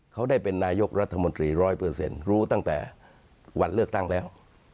เขาได้เป็นนายกรัฐมนตรีร้อยเปอร์เซ็นต์รู้ตั้งแต่วันเลือกตั้งแล้ว